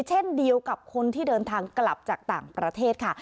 เช่นเดียวกับคนที่เดินทางกลับจากต่างประเทศค่ะ